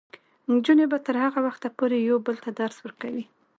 نجونې به تر هغه وخته پورې یو بل ته درس ورکوي.